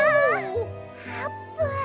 あーぷん！